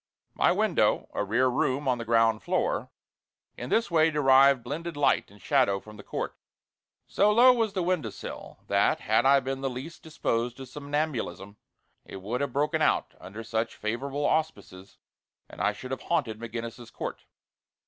My window a rear room on the ground floor in this way derived blended light and shadow from the court. So low was the window sill, that had I been the least disposed to somnambulism it would have broken out under such favorable auspices, and I should have haunted McGinnis's Court.